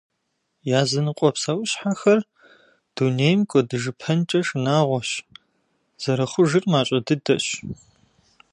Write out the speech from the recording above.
Языныкъуэ псэущхьэхэр дунейм кӀуэдыжыпэнкӏэ шынагъуэщ, зэрыхъужыр мащӏэ дыдэщ.